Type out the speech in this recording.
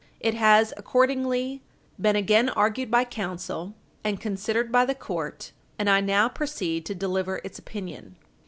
It has accordingly been again argued by counsel, and considered by the court; and I now proceed to deliver its opinion.